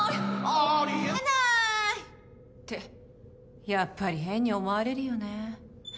あり得なーいってやっぱり変に思われるよね。